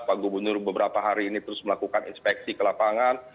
pak gubernur beberapa hari ini terus melakukan inspeksi ke lapangan